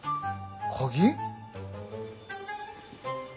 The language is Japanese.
鍵？